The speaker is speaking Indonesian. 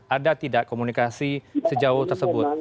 ada tidak komunikasi sejauh tersebut